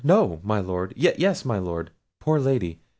no my Lord—yes my Lord—poor Lady!